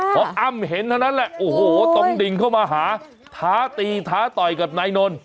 พออ้ำเห็นเท่านั้นแหละโอ้โหตรงดิ่งเข้ามาหาท้าตีท้าต่อยกับนายนนท์